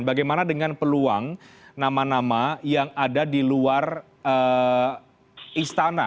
bagaimana dengan peluang nama nama yang ada di luar istana